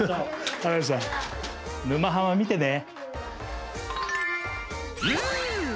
「沼ハマ」見てね！